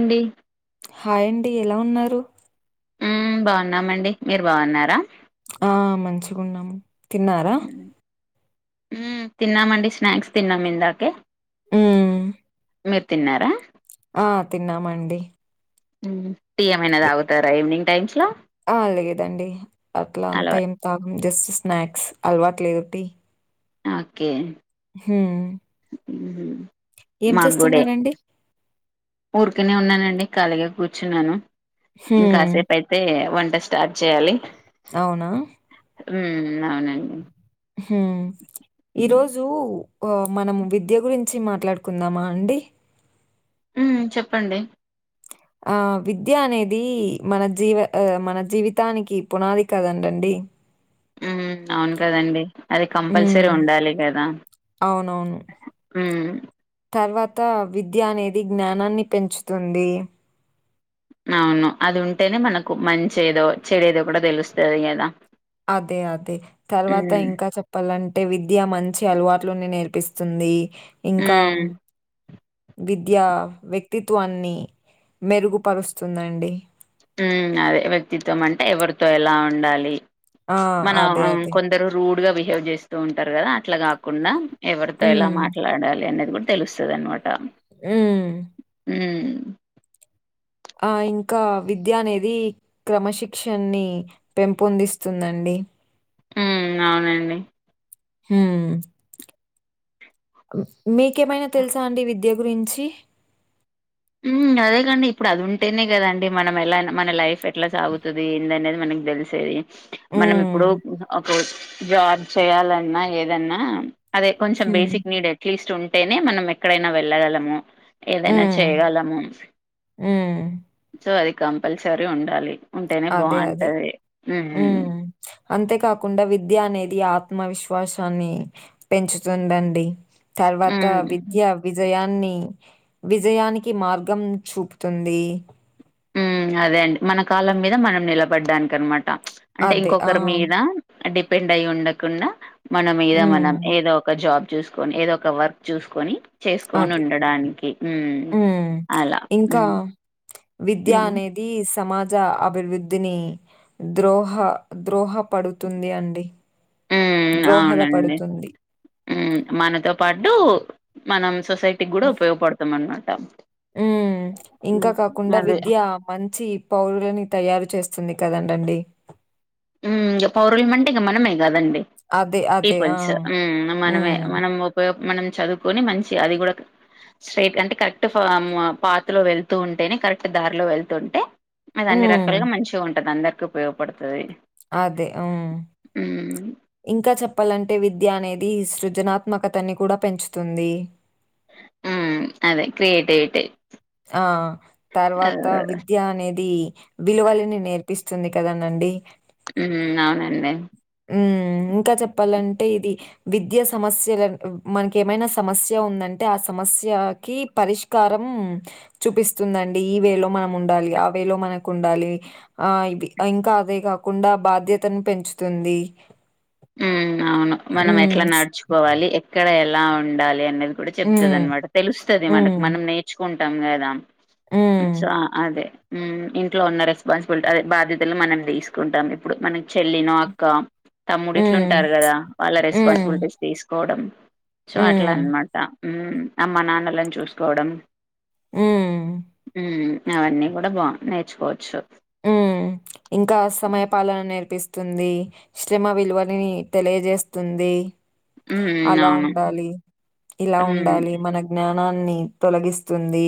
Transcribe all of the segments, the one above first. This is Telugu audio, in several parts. ఏండి హాయ్ అండి ఎలా ఉన్నారు బాగున్నామండి మీరు బాగున్నారా ఆ మంచిగాన్నాము తిన్నారా హు తిన్నామండి స్నాక్స్ తిన్నాము ఇందాకే హు మీరు తిన్నారా ఆ తిన్నామండి టీ ఏమన్నా తాగుతారా ఈవినింగ్ టైమ్స్ లో ఆ లేదండి అట్లా అంతా అలవా ఏం తాగం జస్ట్ స్నాక్స్ అలవాటు లేదు టీ ఓకే హ్మ్మ్ ఉమ్, ఏం మాకు కూడా చేస్తున్నారండి ఊరికనే ఉన్నానండి ఖాళీగా కూర్చున్నాను హ్మ్. ఇంకాసేపు అయితే వంట వంట స్టార్ట్ చేయాలి అవునా హు అవునండి హ్మ్మ్ ఈరోజు ఓ మనం విద్య గురించి మాట్లాడుకుందామా అండి ఉ చెప్పండి ఆ విద్య అనేది మన జీవ ఆ మన జీవితానికి పునాది కదండండి [inaudible] హు అవును కదండి అది హ్మ్. కంపల్సరీ ఉండాలి కదా అవునవును. ఉ తర్వాత విద్య అనేది జ్ఞానాన్ని పెంచుతుంది అవును అది ఉంటేనే మనకు మంచి ఏదో చెడేదో కూడా తెలుస్తది కదా అదే అదే తర్వాత మ్మ్ ఇంకా చెప్పాలంటే విద్య మంచి అలవాట్లు నేర్పిస్త స్తుంది ఇంకా హ్మ్ విద్యా ఇంకా వ్యక్తిత్వాన్ని మెరుగుపరుస్తుందండి ఉ అదే వ్యక్తిత్వం అంటే ఎవరితో ఎలా ఉండాలి ఆ! మన అదే. అదే. కొందరు రూడ్గా బి బిహేవ్ చేస్తూ ఉంటారు కదా అట్లా కాకుండా ఎవరితో ఎలా హ్మ్. మాట్లాడాలి అనేది అది కూడా తెలుస్తది అనమాట ఊ హు ఆ ఇంకా విద్య అనేది క్రమశిక్షన్ని పెంపొందిస్తుందండి ఇ ఊ అవునండి. హూ మీకేమైనా తెలుసా అండి విద్య గురించి? ఊ అదేకండి ఇప్పుడు అది ఉంటేనే కదండి మనం ఎలా మన లైఫ్ ఎట్లా సాగుతుంది ఏందనేది మన ఉ తెలిసేది మనం హ్మ్. ఇప్పుడు ఒక జాబ్ చేయాలన్నా ఏదన్నా అదే కొంచెం హ్మ్. బేసిక్ నీడ్ అట్లీస్ట్ ఉంటేనే మనం ఎక్కడైనా వెళ్ళగలము ఏదైనా హ్మ్. చేయగలము హ్మ్. సో అది కంపల్సరీ ఉండాలి. ఉంటేనే అదే అదే బాగుంటది హ్మ్ ఊ అంతే కాకుండా విద్య అనేది ఆప్ త్మవిశ్వాసాన్ని పెంచుతుందండి తర్వాత హ్మ్ విద్య విజయా విజయానికి మార్గం చూపుతుంది. ఊ అదే అండి. మన కాల మీద మనం నిలబడ్డాననికి అనమాట అంటే అదే. ఆ! ఇంకొకరి మీద డిపెండ్ అయి ఉండకుండా మనం మీద హ్మ్. మనం ఏదో ఒక జాబ్. చూసుకొని ఏదో ఒక వర్క్ చూసుకొని. చేసుకొని అది. ఉండడానికి ఊ హ్మ్. అలా ఇంకా విద్య హ్మ్ అనేది సమాజ అభివృద్ధిని ద్రోహ ద్రోహప్ పడుతుంది అండి హ్మ్ ద్రోహద అవునండి పడుతుంది. హ్మ్ మనతో పాటు మనం సొసైటీకి కూడా ఉపయోగపడతాం అనమాట. ఊ ఇంకా హ్మ్ కాకుండా అదే విద్య మంచి పౌరులని తయారు చేస్తుంది. కదండండి. ఊ ఇంగ పౌరుల్ మంటే ఇంగ మనమే. కదండి అదే. అదే. ఆ! పీపుల్స్ ఊ మనమే హ్మ్. మనం ఉపయో మనం చదువుకొని మంచి అది కూడా క స్ట్రేట్ అంటే కరెక్ట్ ఫార్మ్ ఆ పాత్ లో వెళ్తూ ఉంటే కరెక్ట్ దారిలో వెళ్తు ఉంటే అది అన్ని హ్మ్. రకాలుగా మంచిగా ఉంటది అందరికి ఉపయోగపడుతది. అదే ఉమ్ హ్మ్ ఇంకా చెప్పాలంటే విద్య అనేది సృజనాత్మకతని కూడా పెంచుతుంది. ఉమ్ అదే క్రియేటివిటి. ఆ తర్వాత విద్య అనేది విలువలని నేర్పిస్ స్తుంది కదండండి. హ్మ్ అవునండి ఊ ఇంకా చెప్పాలంటే ఇది. విద్యా సమస్యలన్ మనకేమైనా సమస్య ఉందంటే ఆ సమస్యకి పరిష్కారం చూపిస్తుందండి ఈ వే లో మనం ఉండాలి ఆ వే లో మనకు ఉండాలి ఆ ఇది ఇంకా అదే కాకుండా బాధ్యతను పెంచుతుంది. ఊ అవును మనం ఎట్ల హ్మ్. నడుచుకోవాలి, ఎక్కడ ఎలా ఉండాలి అనేది. కూడా చెప్తంది హ్మ్. అనమాట తెలుస్తది మనకు హ్మ్. మనం నేర్చుకుంటాం కదా. హ్మ్. ఇచ్చా అదే. ఊ ఇంట్లో ఉన్న రెస్పాన్సిబిలిటీ అదే బాధ్యతలు మనం తీసుకుంటాం ఇప్పుడు మన చెల్లినో అక్క హ్మ్. తమ్ముడిట్లుంటారు కదా వాళ్ళ హ్మ్. రెస్పాన్సిబిలిటీస్ తీసుకోవడం. సో అట్లా హ్మ్. అనమాట ఊ అమ్మ నాన్నలని చూసుకోవడం. ఊ ఊ అవన్నీ కూడా బా నేర్చుకోవచ్చు. ఊ ఇంకా సమయ పాలన నేర్పిస్ తుంది శ్రమ విలువలని తెలియజేస్తుంది. మ్మ్ అలా అవును ఉండాలి ఇలా మ్మ్ ఉండాలి మన జ్ఞానాన్ ని తొలగిస్తుంది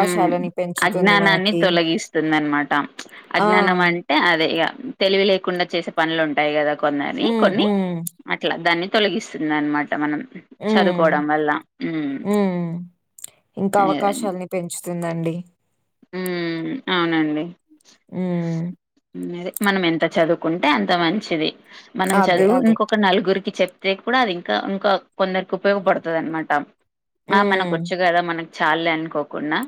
మ్ పెంచుతుంది అజ్ఞానాన్ని మనకి. తొలగిస్తుందన్నమాట ఆ! అజ్ఞానం అంటే అదే ఇగ తెలివి లేకుండా చేసే పనులు ఉంటాయి కదా కొన్నని హ్మ్. కొన్ని హ్మ్. అట్లా దాన్ని తొలగిస్తుందన్నమాట మనం హ్మ్. చదువుకోవడం వల్ల మ్ హ్మ్. అదండి వస్తుందండి మ్ అవునండి హ్మ్. మనం ఎంత చదువ్ ంటే అంత మంచిది మనం అదే. చదువు అదే. ఇంకొక నలుగురికి చెప్ ే కూడా అది ఇంకా ఇంకా కొందరికి ఉపయోగపడుతదన్నమాట ఆ హ్మ్. మనకోచ్చు కదా మనక్ చాళ్ళే అనుకోకుండా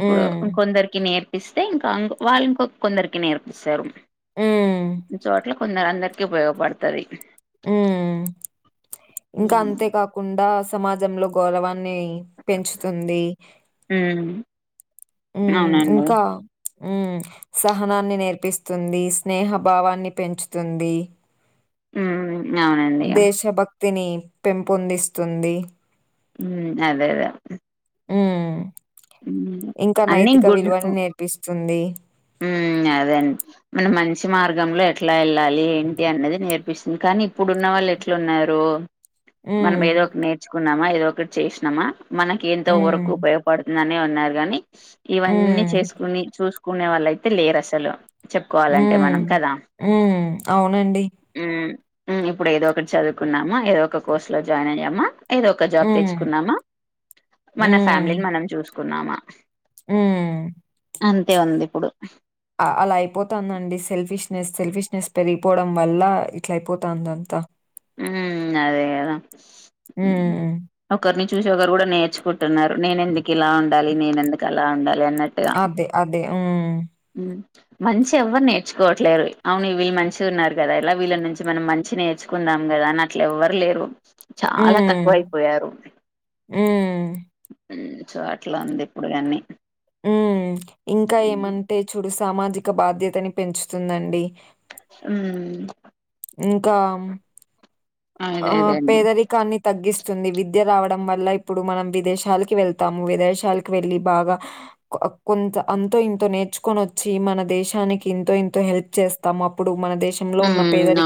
ఇప్పుడు హ్మ్. ఇంకొందరికి నేర్ పిస్తే ఇంకాం వాళ్ళ ఇంకొ కొందరికి నేర్పిస్తారు మ్ కొందరందరికి ఉపయోగపడుతది మ్ ఇంకా హ్మ్ అంతే కాకుండా సమాజంలో గౌరవాన్ న్ని పెంచుతుంది హ్మ్. మ్ అవునండి. ఇంకా మ్ సహనాన్ని నేర్పిస్తుంది స్నేహభావాన్ని పెంచుతుంది మ్ అవునండి ఇగ తిని పెంపొందిస్తుంది మ్ అదేదదే మ్ మ్ ఇంకా నైతిక విలువని నేర్పిస్తుంది మ్ అదేండి మన మంచి మార్గంలో ఎట్లా వెళ్ళాలి ఏంటి అన్నది నేర్పిస్తుంది కా ని ఇప్పుడున్న వాళ్ళు ఎట్లున్నారు మనం హ్మ్. ఏదో ఒకటి నేర్చుకున్నామా ఏదో ఒకటి చేసినామా మనకి ఎంతో వరకు హ్మ్. ఉపయోగపడుతుందనే ఉన్నారు కాని ఇవన్నీ హ్మ్. చేసుకుని చూసు కునే వాళ్ళేతే లేరసలు చెప్పుకోవాలంటే మనం హ్మ్. కదా హ్మ్. అవునండి. మ్ మ్ ఇప్పుడు ఏదో ఒకటి చదువుకున్నామా ఏదో ఒక కోర్సు లో జాయిన్ అయ్యామా ఏదో ఒక జాబ్ హ్మ్. తెచ్చుకున్నామా మన ఫ్యామిలీని మనం చూసుకున్నామా మ్ అంతే ఉంది ఇప్పుడు అలా అయిపోతందండి సెల్ఫిష్నెస్ సెల్ఫిష్నెస్ పెరిగిపోవడం వల్ల ఇట్ల అయిపోతందంతా మ్ అదే కదా హ్మ్. ఒకర్ని చు సి ఒకరు కూడా నేర్చుకుంటున్నారు నేను ఎందుకు ఇలా ఉండాలి నేనెందుకు అలా ఉండాలి అన్నట్టుగా అదే అదే మ్ మంచి ఎవ్వరు నేర్చుకోవట్లేరు అవును వీళ్ళు మంచిగా ఉన్నారు కదా ఇలా వీళ్ళ నుంచి మనం మంచి నేర్చు కుందాం కదా అని అట్ల ఎవ్వరు లేరు చాలా హ్మ్. తక్కువైపోయారు హ్మ్. మ్ సో అట్లా ఉంది ఇప్పుడు కన్ని మ్ ఇంకా ఏమంటే చూడు సామాజిక బాధ్యతని పెంచుతుందండి మ్ ఇంకా అదే ఆ అదే అండి పేదరికాన్ని తగ్గిస్ సో ఈ విద్య రావడం వల్ల ఇప్పుడు మనం విదేశాలకి వెళ్తాము విదేశాలకు వెళ్ళి బాగా కొంత అంతో ఇంతో నేర్చుకొని వచ్చి మన దేశానికి ఎంతో ఇంతో హెల్ప్ చేస్తాం అప్పుడు మన దేశంలో ఉన్న పేదరి అవునా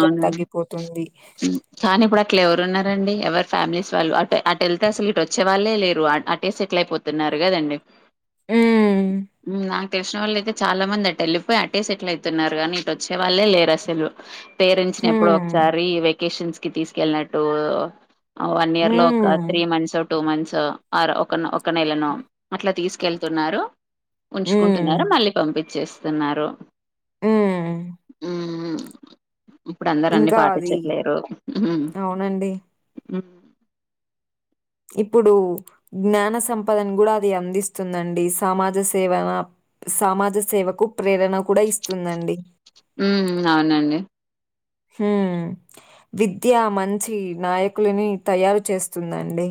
కానీ ఇప్పుడు అట్లా ఎవరు ఉన్నారండి ఎవరూ ఫ్యామిలీస్ వాళ్ళు అటు అటు వెళ్తే అసలు ఇటు వచ్చే వాళ్ళే లేరు అటే సెటిల్ అయిపోతున్నారు కదండి హ్మ్. హ్మ్ నా తెలిసిన వాళ్ళు అయితే చాలా మంది అట్ట వెళ్లిపోయి అట్టే సెటిల్ అవుతున్నారు కానీ ఇటు వచ్చే వాళ్ళే లేరు అసలు పేరెంట్స్ ని ఎప్పుడో హ్మ్. ఒకసారి వెకేషన్స్ కి తీసుకెళ్ళినట్టు వన్ ఇయర్ లో ఒక హ్మ్. త్రీ మంత్స్ ఓ టూ మంత్స్ ఆర్ ఒక ఒక నెలను అట్లా తీసుకెళ్తున్నారు హ్మ్. ఉంచుకుంటున్నారు మళ్ళీ పంపించేస్తున్నారు మ్మ్ మ్మ్ ఇప్పుడు అందరు అన్ని అది పాటించట్లేరు అవునండి అ ఇప్పుడు జ్ఞాన సంపదను కూడా అది అందిస్తుందండి సమాజ సేవలా సమాజ సేవకు ప్రేరణ కూడా ఇస్తుందండి మ్మ్ అవునండి హ్మ్ విద్య మంచి నాయకులని తయారు చేస్తుందండి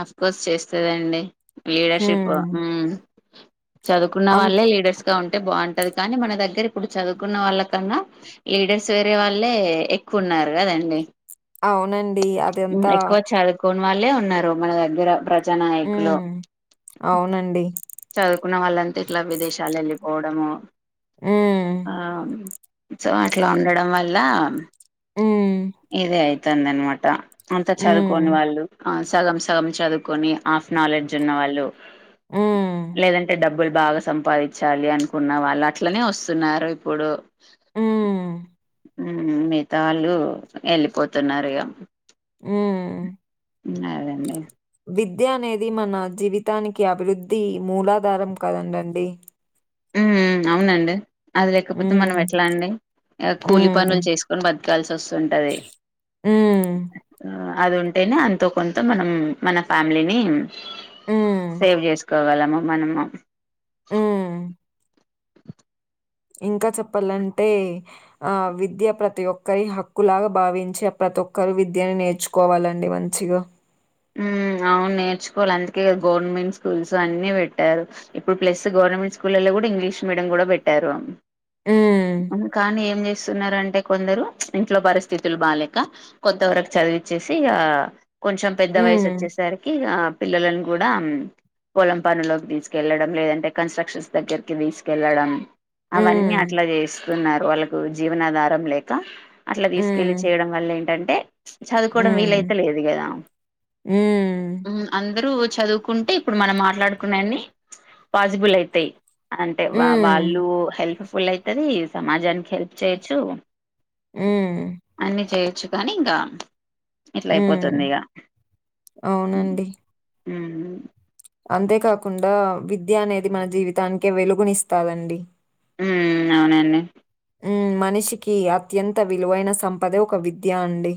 ఆఫ్ కోర్స్ చేస్తదండి లీడర్షిప్ హ్మ్. చదువుకున్న అం వాళ్ళే లీడర్స్ ఉంటే బాగుంటది కానీ మన దగ్గర ఇప్పుడు చదువుకున్న వాళ్ళ కన్నా లీడర్స్ వేరే వాళ్ళే కున్నారు కదండి అవునండి. అదంతా ఎక్కువ చదువుకోని వాళ్ళే ఉన్నారు మన దగ్గర ప్రజానాయకులు హ్మ్. అవునండి. ఉన్న వాళ్ళంతా ఇట్లా విదేశాలకి వెళ్ళిపోవడము హ్మ్. ఆ సో అట్లా ఉండడం వల్ల హ్మ్. ఇదే అయితంది అనమాట అంత చదువుకోని హ్మ్. వాళ్ళు సగం సగం చదువుకొని ఆఫ్ నాలెడ్జ్ ఉన్న వాళ్ళు మ్మ్ లేదంటే డబ్బులు బాగా సంపాదించాలి అనుకున్న వాళ్ళు అట్లనే వస్తున్నారు ఇప్పుడు మ్మ్ మిగతా వాళ్ళు వెళ్ళిపోతున్నారు ఇగా మ్మ్ అదండి వి విద్య అనేది మన జీవితానికి అభివృద్ధి మూలాధారం కదండండి మ్మ్ మ్మ్ అవునండి అది లేకపోతే మనం హ్మ్. ఎట్లా అండి కూలి హ్మ్. పనులు చేసుకొని బతు కల్సి వస్తుంటది హ్మ్. అది ఉంటేనే అంతో కొంత మనం మన ఫ్యామిలీని హ్మ్. సేవ్ చేసు కోగలము మనము ఆ ఇంకా చెప్పాలంటే ఆ విద్య ప్రతి ఒక్కరి హక్కులాగా భావించే ప్ర ప్రతి ఒక్కరు విద్యని నేర్చుకోవాలండి మంచిగా మ్మ్ అవును నేర్చుకోవాలి అందుకేగా గవర్నమెంట్ స్కూల్స్ అన్ని పెట్టారు ఇప్పుడు ప్లస్ గవర్నమెంట్ స్కూల్లో కూడా ఇంగ్లీష్ మీడియం కూడా పెట్టారు హ్మ్. కానీ ఏం చే స్తున్నారు అంటే కొందరు ఇంట్లో పరిస్థితులు బాలేకా కొంత వరకు చదివిచేసి ఇగ కుంచం పెద్ద వయసు హ్మ్. వచ్చేసరికి పిల్లలను కూడా పొలం పనులోకి తీసుకెళ్లడం లేదంటే కన్స్ట్రక్షన్స్ దగ్గరికి తీసుకెళ్లడం అవన్నీ హ్మ్. అట్లా చేస్తున్నారు వాళ్ళకు జీవనాధారం లేక అట్లా తీసుకెళ్లి హ్మ్. చేయడం వల్ల ఏంటన్ చదువుకోడం వీలయిత లేదు కదా మ్మ్ అందరు చదువుకుంటే ఇప్పుడు మనం మాట్లాడుకునేన్ని పాసిబుల్ అయితాయి అంటే వా హ్మ్. వాళ్ళు హెల్ప్ఫుల్ అయితది సమాజానికి హెల్ప్ చేయొచ్చు హ్మ్ చ్చు కానీ ఇంగ ఇట్లా అయిపోతుంది హ్మ్. ఇగ అవునండి మ్ హు అంతే కాకుండా విద్య అనేది మన జీవితానికే వెలుగునిస్తాదండి మ్మ్ అవునండి మ్మ్ మనిషికి అత్యంత విలువైన సంపదే ఒక విద్య అండి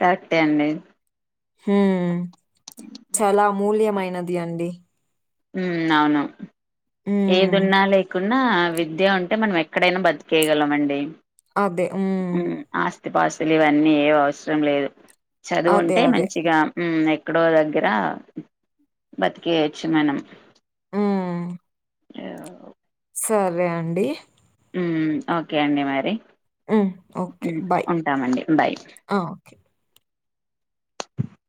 కరక్టె అండి హుమ్ చాలా మూల్యమైనది అండి ఉమ్ అవును ఏది హ్మ్. ఉన్నా లేకు న్నా విద్య ఉంటే మనం ఎక్కడైనా బతికేయగలం అండి అదే ఉమ్ స్తిపాస్తులు ఇవన్నీ ఏ అవసరం లేదు అదే. చదువుంటే అదే. మంచిగా మ్ ఎక్కడో దగ్గర బతికేయచ్చు మనం హ్మ్. ఏమో సరే అండి మ్ ఓకే అండి మరి హ్మ్. ఓకే. బాయ్. ఉంటామండి బయ్ ఆ! ఓకే.